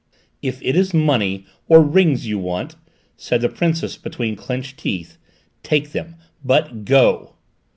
"If it is money, or rings you want," said the Princess between clenched teeth, "take them! But go!"